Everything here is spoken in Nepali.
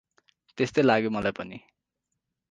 तेस्तै लाग्यो मलाई पनि ।